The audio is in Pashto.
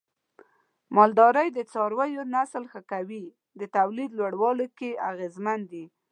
د مالدارۍ د څارویو نسل ښه کول د تولید لوړولو کې اغیزمن دی.